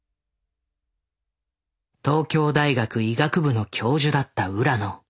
東京大学医学部の教授だった浦野。